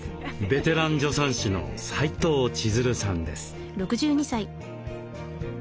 ベテラン助産師の斉藤千鶴さんです。